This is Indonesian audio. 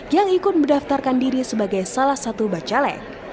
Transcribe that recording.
yang ikut mendaftarkan diri sebagai salah satu bacalek